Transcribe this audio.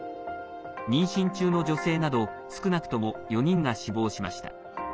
妊娠中の女性など少なくとも４人が死亡しました。